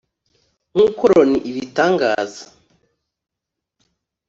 nk’uko Loni ibitangaza